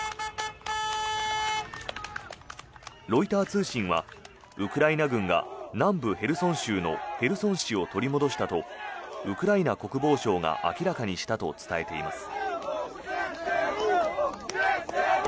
ロイター通信はウクライナ軍が南部ヘルソン州のヘルソン市を取り戻したとウクライナ国防省が明らかにしたと伝えています。